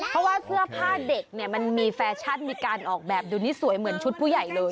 เพราะว่าเสื้อผ้าเด็กเนี่ยมันมีแฟชั่นมีการออกแบบดูนี่สวยเหมือนชุดผู้ใหญ่เลย